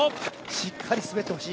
しっかり滑ってほしい。